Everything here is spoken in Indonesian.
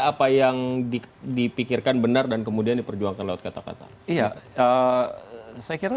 apa yang di di pikirkan benar dan kemudian di perjuangkan lewat kata kata ya saya kira